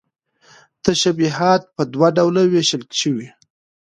تشبيهات په دوه ډوله ويشلى شو